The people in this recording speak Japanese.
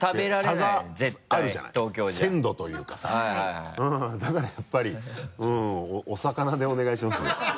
差があるじゃない鮮度というかさだからやっぱりお魚でお願いします。